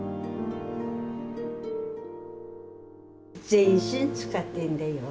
全身使ってんだよ